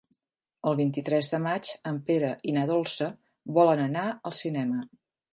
El vint-i-tres de maig en Pere i na Dolça volen anar al cinema.